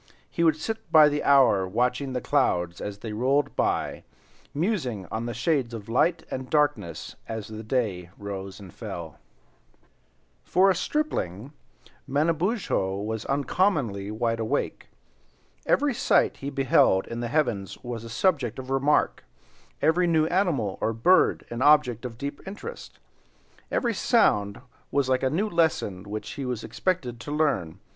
He would sit by the hour watching the clouds as they rolled by, musing on the shades of light and darkness as the day rose and fell. For a stripling, Manabozho was uncommonly wide awake. Every sight he beheld in the heavens was a subject of remark, every new animal or bird an object of deep interest, and every sound was like a new lesson which he was expected to learn.